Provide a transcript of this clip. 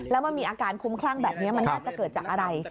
แล้วมันมีอาการคุ้มคลั่งแบบนี้มันน่าจะเกิดจากอะไร